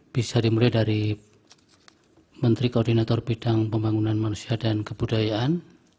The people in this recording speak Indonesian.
bisa dimulai dari menteri koordinator bidang pembangunan manusia dan kebudayaan